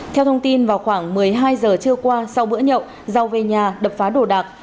theo thông tin vào khoảng một mươi hai giờ trưa qua sau bữa nhậu rau về nhà đập phá đồ đạc